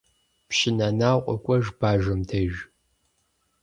Пщы Нэнау къокӀуэж Бажэм деж.